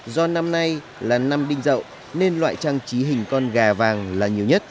do năm nay là năm đinh dậu nên loại trang trí hình con gà vàng là nhiều nhất